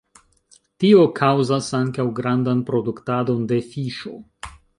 Tio kaŭzas ankaŭ grandan produktadon de fiŝo.